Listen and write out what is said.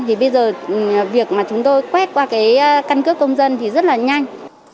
thì bây giờ việc mà chúng tôi quét qua cái căn cước công dân thì rất là nhanh